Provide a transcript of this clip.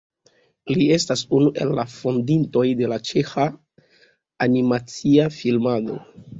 Li estas unu el la fondintoj de la ĉeĥa animacia filmado.